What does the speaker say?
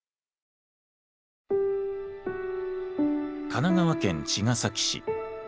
神奈川県茅ヶ崎市。